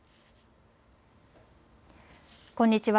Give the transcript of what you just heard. こんにちは。